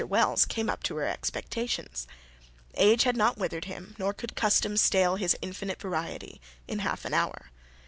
Wells came up to her expectations. Age had not withered him, nor could custom stale his infinite variety in half an hour.